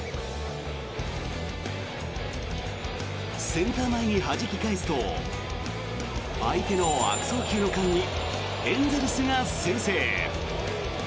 センター前にはじき返すと相手の悪送球の間にエンゼルスが先制。